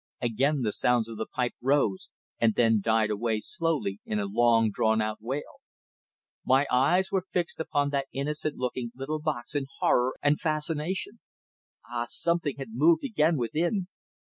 Again the sounds of the pipe rose and then died away slowly in a long drawn out wail. My eyes were fixed upon that innocent looking little box in horror and fascination. Ah! Something moved again within.